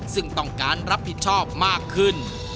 ซึ่งต้องการรับผิดชอบมากขึ้น